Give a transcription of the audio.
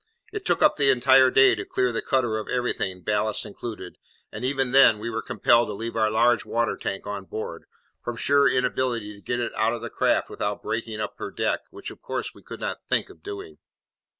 It took up the entire day to clear the cutter of everything, ballast included; and, even then, we were compelled to leave our large water tank on board, from sheer inability to get it out of the craft without breaking up her deck, which, of course, we could not think of doing.